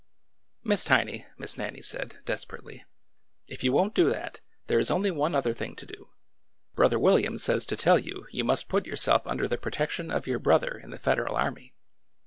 " Miss Tiny," Miss Nannie said, desperately, if you won't do that, there is only one other thing to do. Bro ther William says to tell you you must put yourself under the protection of your brother in the Federal Army.